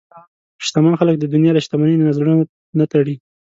شتمن خلک د دنیا له شتمنۍ نه زړه نه تړي.